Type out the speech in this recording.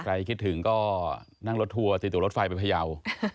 ใครคิดถึงก็นั่งรถทัวร์ติดตัวรถไฟไปพยาว